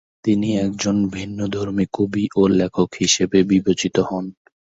তিনি একজন ভিন্নধর্মী কবি ও লেখক হিসেবে বিবেচিত হন।